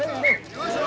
よいしょ！